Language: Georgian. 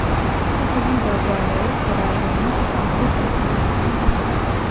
სოფელი მდებარეობს რაიონის სამხრეთ-დასავლეთით.